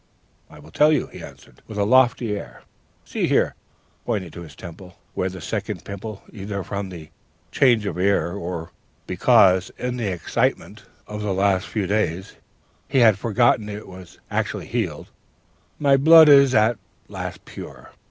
"I will tell you,' he answered, with a lofty air. 'See here!' pointing to his temple, where the second pimple either from the change of air, or because, in the excitement of the last few days, he had forgotten it was actually healed. 'My blood is at last pure.